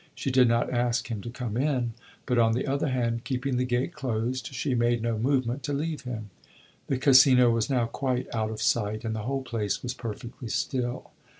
She did not ask him to come in; but, on the other hand, keeping the gate closed, she made no movement to leave him. The Casino was now quite out of sight, and the whole place was perfectly still.